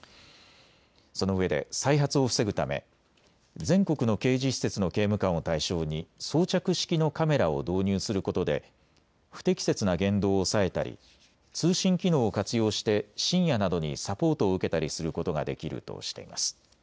そのうえで再発を防ぐため全国の刑事施設の刑務官を対象に装着式のカメラを導入することで不適切な言動を抑えたり通信機能を活用して深夜などにサポートを受けたりすることができるとしています。